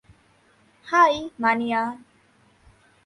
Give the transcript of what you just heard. High, মানিয়া!